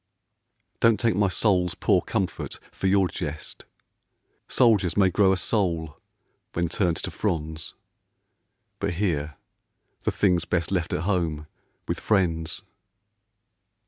Don't take my soul's poor comfort for your jest. Soldiers may grow a soul when turned to fronds, But here the thing's best left at home with friends.